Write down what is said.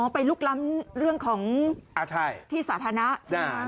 อ๋อไปรุกล้ำที่สาธารณะใช่ไหมก่อน